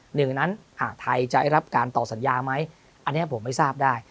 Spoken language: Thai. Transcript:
หนึ่งนั้นไทยจะได้รับการต่อสัญญาไหมอันนี้ผมไม่ทราบได้